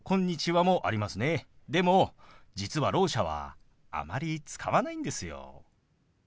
でも実はろう者はあまり使わないんですよ。